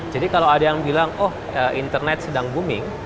jadi kalau ada yang bilang oh internet sedang booming